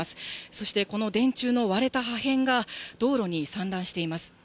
そしてこの電柱の割れた破片が、道路に散乱しています。